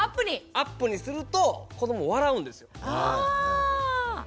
アップにすると子ども笑うんですよ。